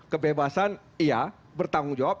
kebebasan iya bertanggung jawab